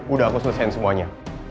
udah aku selesaikan semuanya